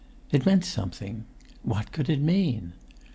It meant something. What could it mean?